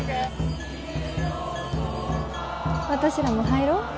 私らも入ろう。